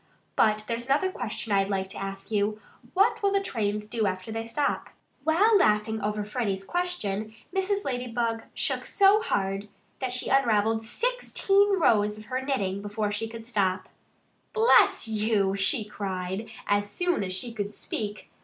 But there's another question I'd like to ask you: What will the trains do after they stop?" While laughing over Freddie's question Mrs. Ladybug shook so hard that she unravelled sixteen rows of her knitting before she could stop. "Bless you!" she cried, as soon as she could speak.